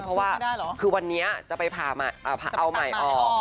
เพราะว่าคือวันนี้จะไปเอาใหม่ออก